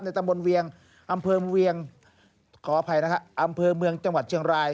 ในตำบลเวียงอำเภอเมืองจังหวัดเชียงราย